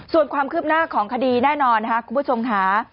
ส่วนความคืบหน้าของคดีแน่นอนนะคะคุณผู้ชมค่ะ